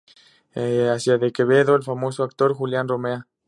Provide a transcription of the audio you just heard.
Hacía de Quevedo el famoso actor Julián Romea.